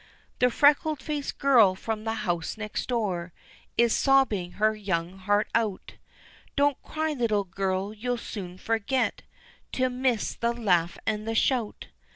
The freckle faced girl from the house next door, Is sobbing her young heart out, Don't cry little girl, you'll soon forget To miss the laugh and the shout.